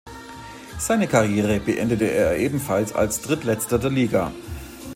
Seine Karriere beendete er ebenfalls als Drittletzter der Liga.